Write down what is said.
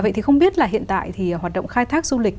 vậy thì không biết là hiện tại thì hoạt động khai thác du lịch